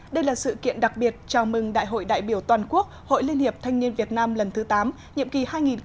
đây là sự kiện đặc biệt chào mừng đại hội đại biểu toàn quốc hội liên hiệp thanh niên việt nam lần thứ tám nhiệm kỳ hai nghìn một mươi chín hai nghìn hai mươi bốn